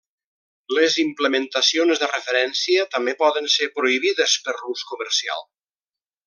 Les implementacions de referència també poden ser prohibides per l'ús comercial.